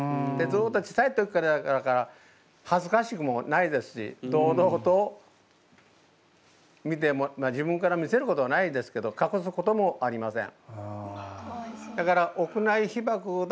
ずっと小さい時からやからかはずかしくもないですし堂々と自分から見せることはないですけどかくすこともありません。